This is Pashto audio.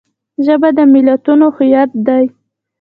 ژبه د ملتونو هویت دی